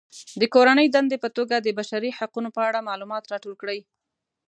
د کورنۍ دندې په توګه د بشري حقونو په اړه معلومات راټول کړئ.